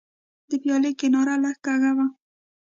د پیالې کناره لږه کږه وه.